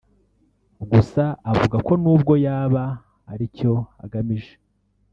gusa avuga ko nubwo yaba aricyo agamije